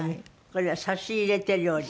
これは差し入れ手料理？